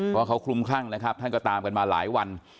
เพราะเขาคลุมคลั่งนะครับท่านก็ตามกันมาหลายวัน